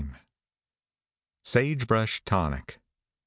SAGE BRUSH TONIC.